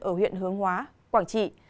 ở huyện hướng hóa quảng trị